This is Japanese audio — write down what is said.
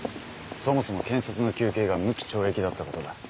そもそも検察の求刑が無期懲役だったことだ。